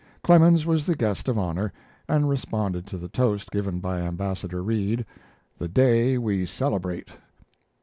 Clemens was the guest of honor, and responded to the toast given by Ambassador Reid, "The Day we Celebrate."